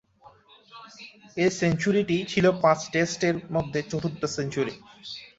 এ সেঞ্চুরিটি ছিল পাঁচ টেস্টের মধ্যে চতুর্থ সেঞ্চুরি।